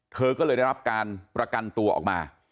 เธอก็เลยได้รับการประกันตัวออกมา